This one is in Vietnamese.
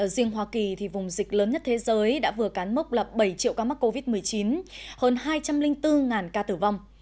riêng hoa kỳ thì vùng dịch lớn nhất thế giới đã vừa cán mốc là bảy triệu ca mắc covid một mươi chín hơn hai trăm linh bốn ca tử vong